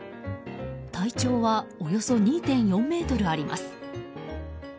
体長はおよそ２．４ｍあります。